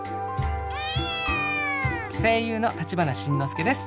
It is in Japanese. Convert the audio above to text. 声優の立花慎之介です。